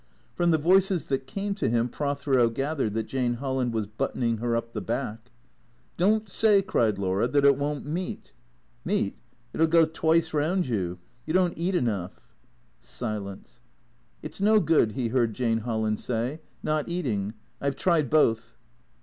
From the voices that came to him Prothero gathered that Jane Holland was " buttoning her up the back." " Don't say," cried Laura, " that it won't meet !"" Meet ? It '11 go twice round you. You don't eat enough." Silence. " It 's no good," he heard Jane Holland say, " not eating. I 've tried both."